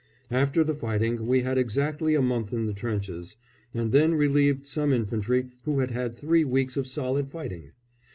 After the fighting we had exactly a month in the trenches, and then relieved some infantry who had had three weeks of solid fighting.